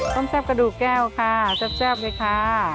แซ่บกระดูกแก้วค่ะแซ่บเลยค่ะ